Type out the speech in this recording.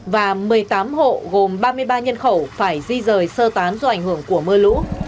và một mươi tám hộ gồm ba mươi ba nhân khẩu phải di rời sơ tán do ảnh hưởng của mưa lũ